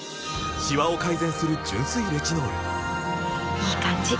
いい感じ！